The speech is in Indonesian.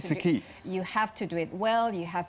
anda harus melakukannya dengan berkembang